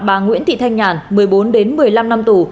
bà nguyễn thị thanh nhàn một mươi bốn đến một mươi năm năm tù